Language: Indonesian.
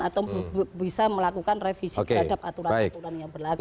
atau bisa melakukan revisi terhadap aturan aturan yang berlaku